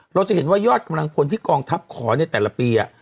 เราจะเห็นว่ายอดกำลังพลที่กองทัพขอในแต่ละปี